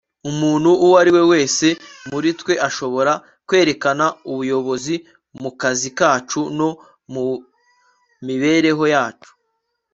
umuntu uwo ari we wese muri twe ashobora kwerekana ubuyobozi mu kazi kacu no mu mibereho yacu